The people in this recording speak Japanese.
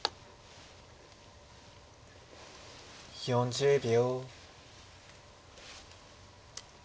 ４０秒。